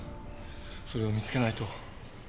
それを見つけないと。